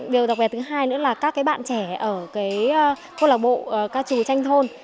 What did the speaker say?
điều đặc biệt thứ hai nữa là các bạn trẻ ở cái cô lạc bộ ca trù tranh thôn